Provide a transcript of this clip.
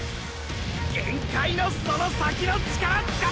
限界のその先の力つかって！！